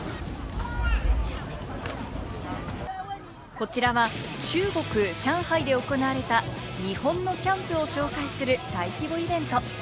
こちらは中国・上海で行われた日本のキャンプを紹介する大規模イベント。